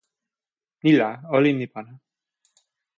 ni la, olin li pona.